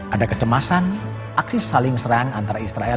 ada kecemasan aksi saling serang antara israel